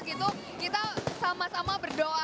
kita sama sama berdoa